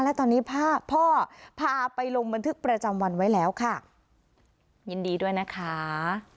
และตอนนี้พ่อพาไปลงบันทึกประจำวันไว้แล้วค่ะยินดีด้วยนะคะ